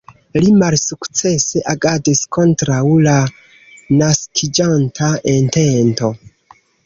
Li malsukcese agadis kontraŭ la naskiĝanta entento.